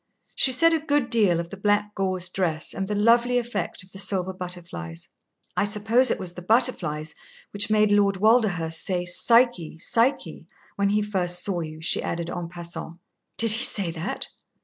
She said a good deal of the black gauze dress and the lovely effect of the silver butterflies. "I suppose it was the butterflies which made Lord Walderhurst say 'Psyche! Psyche!' when he first saw you," she added, en passant. "Did he say that?"